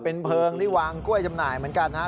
เป็นเพลิงที่วางกล้วยจำหน่ายเหมือนกันนะครับ